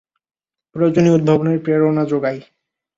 প্রয়োজনই উদ্ভাবনের প্রেরণা যোগায়।